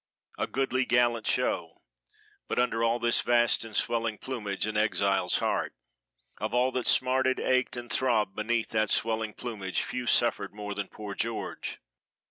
A goodly, gallant show; but under all this vast and swelling plumage an exile's heart. Of all that smarted, ached and throbbed beneath that swelling plumage few suffered more than poor George.